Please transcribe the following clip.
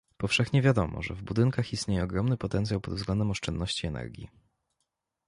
Powszechnie wiadomo, że w budynkach istnieje ogromny potencjał pod względem oszczędności energii